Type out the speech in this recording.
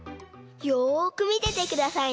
よくみててくださいね。